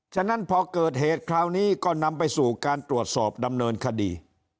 ฉะนั้นพอเกิดเหตุคราวนี้ก็นำไปสู่การตรวจสอบดำเนินคดี